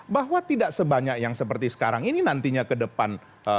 bahwa tidak sebanyak yang seperti sekarang ini nantinya kedepan